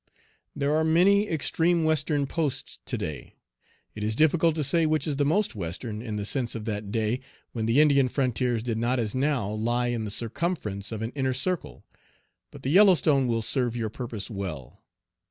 There are many "extreme western" posts to day. It is difficult to say which is the most western in the sense of that day, when the Indian frontiers did not as now, lie in the circumference of an inner circle; but the Yellowstone will serve your purpose well.